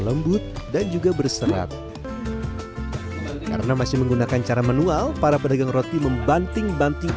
lembut dan juga berserat karena masih menggunakan cara manual para pedagang roti membanting banting